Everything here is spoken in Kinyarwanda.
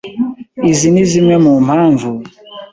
Izi ni zimwe mu mpamvu